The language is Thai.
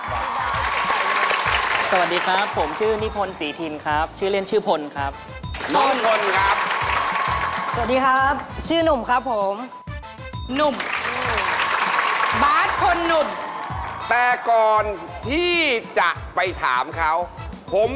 สวัสดีครับผมชื่อนิพนศ์ศรีธินครับ